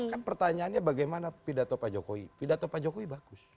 kan pertanyaannya bagaimana pidato pak jokowi pidato pak jokowi bagus